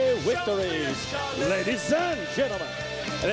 สวัสดีครับทุกคน